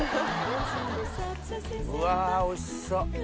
うわおいしそう。